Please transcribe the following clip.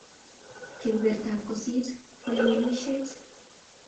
kebebertab kosit ko lewenishiet